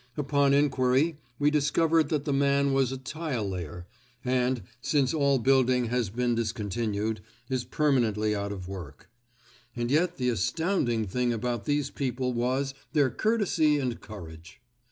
Upon enquiry we discovered that the man was a tile layer and, since all building has been discontinued, is permanently out of work. And yet the astounding thing about these people was their courtesy and courage.